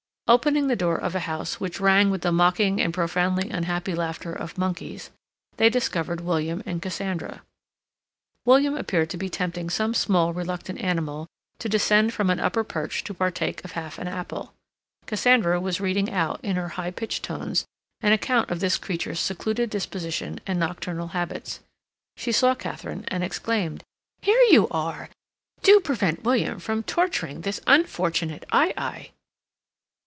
Opening the door of a house which rang with the mocking and profoundly unhappy laughter of monkeys, they discovered William and Cassandra. William appeared to be tempting some small reluctant animal to descend from an upper perch to partake of half an apple. Cassandra was reading out, in her high pitched tones, an account of this creature's secluded disposition and nocturnal habits. She saw Katharine and exclaimed: "Here you are! Do prevent William from torturing this unfortunate aye aye."